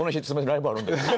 ライブあるんで」。